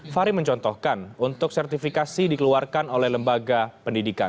fahri mencontohkan untuk sertifikasi dikeluarkan oleh lembaga pendidikan